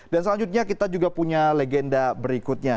dan selanjutnya kita juga punya legenda berikutnya